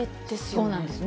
そうなんですよね。